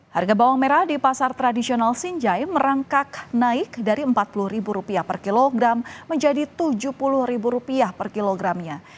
harga bawang merah di pasar tradisional sinjai merangkak naik dari rp empat puluh per kilogram menjadi rp tujuh puluh per kilogramnya